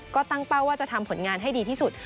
ก็ตั้งเป้าว่าจะทำผลงานให้ดีที่สุด